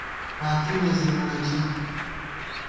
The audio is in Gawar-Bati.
باتی نہ زِرَڑئیݪہ